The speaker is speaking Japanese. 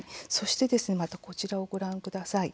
こちらをご覧ください。